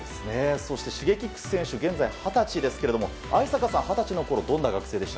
Ｓｈｉｇｅｋｉｘ選手は現在、二十歳ですが逢坂さんは二十歳のころどんな学生でした？